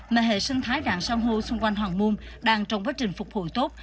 mệ hệ sinh thái rạng sang hô xung quanh hoàng môn đang trong quá trình phục hồi tốt